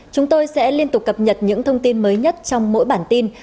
chúng tôi sẽ liên tục cập nhật những thông tin mới nhất trong mỗi bản tin